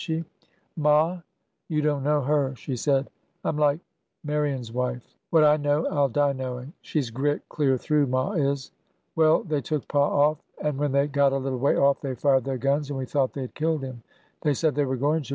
270 ORDER NO. 11 Ma ! You donl know her ! She said :' Dm like Ma rion's wife— what I know I 'll die knowing !' She 's grit clear through, ma is !... Well, they took pa oif, and when they got a little way off they fired their guns, and we thought they had killed him. They said they were going to.